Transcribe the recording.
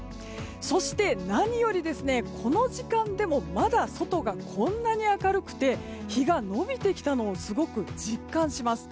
そして、何よりこの時間でもまだ外がこんなに明るくて日が伸びてきたのをすごく実感します。